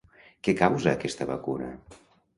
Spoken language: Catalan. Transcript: Què causa aquesta vacuna?